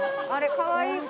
かわいい子。